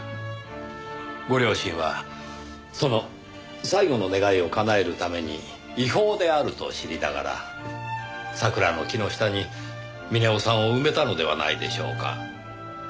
ご両親はその最後の願いをかなえるために違法であると知りながら桜の木の下に峰夫さんを埋めたのではないでしょうか。